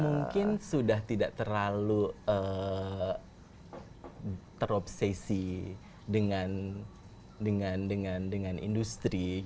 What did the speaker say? mungkin sudah tidak terlalu terobsesi dengan industri